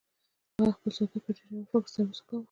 هغه خپل سګرټ په ډیر ژور فکر سره وڅکاوه.